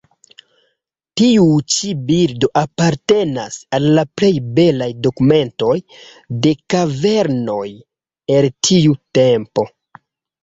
Tiu ĉi bildo apartenas al la plej belaj dokumentoj de kavernoj el tiu tempo.